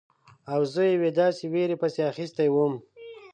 او زه یوې داسې ویرې پسې اخیستی وم.